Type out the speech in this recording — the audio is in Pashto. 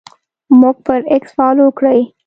موږ پر اکس فالو کړئ